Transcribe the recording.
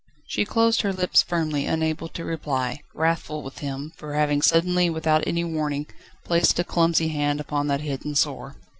She closed her lips firmly, unable to reply, wrathful with him, for having suddenly and without any warning, placed a clumsy hand upon that hidden sore.